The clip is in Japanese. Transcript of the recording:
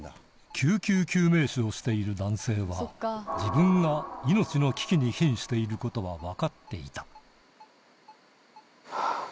救急救命士をしている男性は自分が命の危機にひんしていることは分かっていたハァ